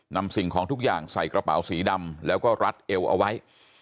สิ่งของทุกอย่างใส่กระเป๋าสีดำแล้วก็รัดเอวเอาไว้